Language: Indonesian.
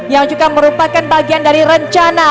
yang juga merupakan bagian dari rencana